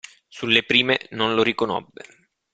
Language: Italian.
Sulle prime non lo riconobbe.